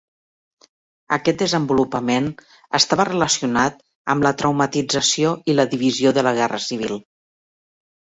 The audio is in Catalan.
Aquest desenvolupament estava relacionat amb la traumatització i la divisió de la Guerra Civil.